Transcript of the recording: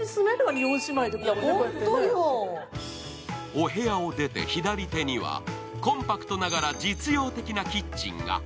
お部屋を出て左手には、コンパクトながらも実用的なキッチンが。